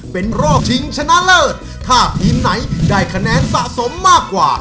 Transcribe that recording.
เป็นรอบชิงชนะเลิศถ้าทีมไหนได้คะแนนสะสมมากกว่า